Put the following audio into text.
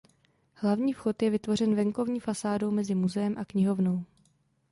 Hlavní vchod je vytvořen venkovní fasádou mezi muzeem a knihovnou.